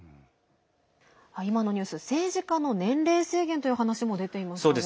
今のニュース政治家の年齢制限という話も出ていましたね。